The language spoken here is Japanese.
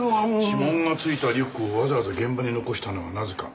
指紋がついたリュックをわざわざ現場に残したのはなぜか？